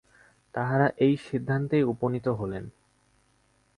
তাঁহারা এই সিদ্ধান্তেই উপনীত হইলেন।